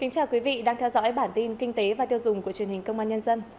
chào mừng quý vị đến với bản tin kinh tế và tiêu dùng của truyền hình công an nhân dân